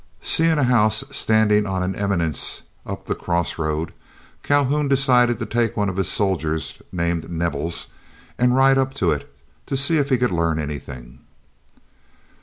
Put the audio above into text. Seeing a house standing on an eminence up the cross road, Calhoun decided to take one of his soldiers named Nevels, and ride up to it to see if he could learn anything.